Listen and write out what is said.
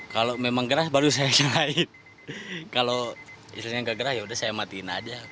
kalau memang gerah baru saya nyalain kalau isinya nggak gerah yaudah saya matiin aja